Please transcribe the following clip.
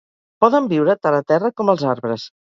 Poden viure tant a terra com als arbres.